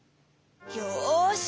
よし！